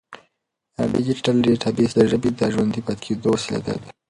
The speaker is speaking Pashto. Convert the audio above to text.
ډیجیټل ډیټابیس د ژبې د ژوندي پاتې کېدو وسیله ده.